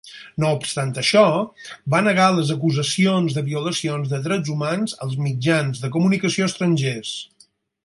No obstant això, va negar les acusacions de violacions de drets humans als mitjans de comunicació estrangers.